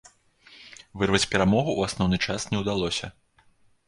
Вырваць перамогу ў асноўны час не ўдалося.